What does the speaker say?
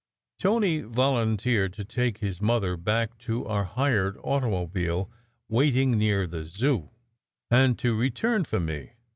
Tony volunteered to take his mother back to our hired automobile, waiting near the Zoo, and to return for me.